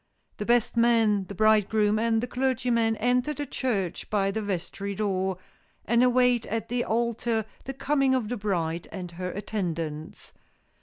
The best man, the bridegroom, and the clergyman enter the church by the vestry door, and await at the altar the coming of the bride and her attendants.